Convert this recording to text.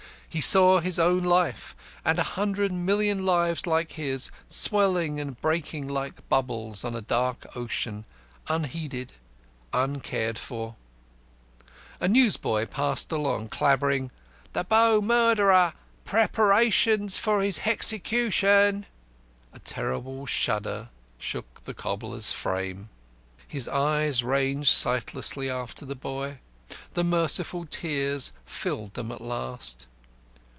He saw his own life, and a hundred million lives like his, swelling and breaking like bubbles on a dark ocean, unheeded, uncared for. A newsboy passed along, clamouring "The Bow murderer, preparaitions for the hexecution!" A terrible shudder shook the cobbler's frame. His eyes ranged sightlessly after the boy; the merciful tears filled them at last.